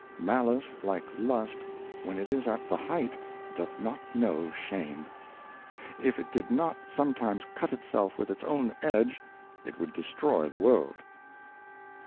Malice, like Lust, when it is at the Height, doth not know Shame. If it did not sometimes cut itself with its own Edge, it would destroy the World.